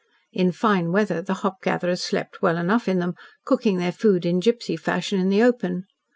In fine weather the hop gatherers slept well enough in them, cooking their food in gypsy fashion in the open.